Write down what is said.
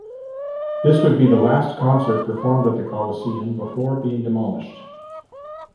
This would be the last concert performed at the Coliseum before being demolished.